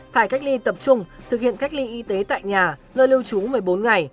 phải cách ly tập trung thực hiện cách ly y tế tại nhà nơi lưu trú một mươi bốn ngày